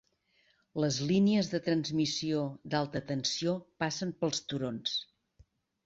Les línies de transmissió d'alta tensió passen pels turons.